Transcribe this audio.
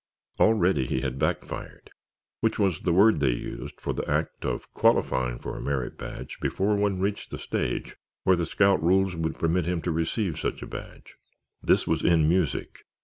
Already he had "backfired" which was the word they used for the act of qualifying for a merit badge before one reached the stage where the scout rules would permit him to receive such a badge. This was in music.